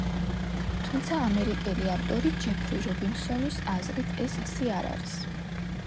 თუმცა ამერიკელი ავტორი ჯეფრი რობინსონის აზრით, ეს ასე არ არის.